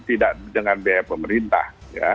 tidak dengan biaya pemerintah